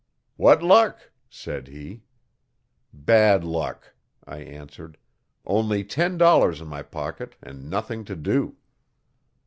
'What luck?' said he. 'Bad luck' I answered. 'Only ten dollars in my pocket and nothing to do.'